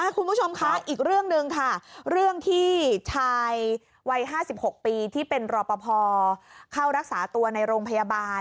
คุณผู้ชมคะอีกเรื่องหนึ่งค่ะเรื่องที่ชายวัย๕๖ปีที่เป็นรอปภเข้ารักษาตัวในโรงพยาบาล